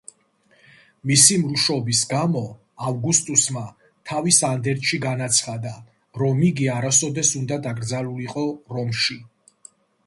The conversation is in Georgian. მისი მრუშობის გამო, ავგუსტუსმა თავის ანდერძში განაცხადა, რომ იგი არასოდეს უნდა დაკრძალულიყო რომში.